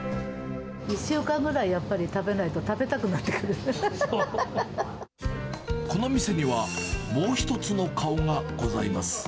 １週間ぐらいやっぱり食べなこの店には、もう一つの顔がございます。